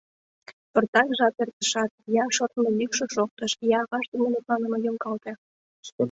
Пыртак жап эртышат, я шортмо йӱкшӧ шоктыш, я аваж дене мутланыме йоҥгалте.